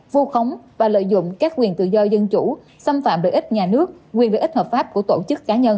vu khống và lợi dụng các quyền tự do dân chủ xâm phạm lợi ích nhà nước quyền lợi ích hợp pháp của tổ chức cá nhân